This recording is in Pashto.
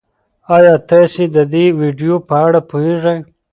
ایا تاسي د دې ویډیو په اړه پوهېږئ؟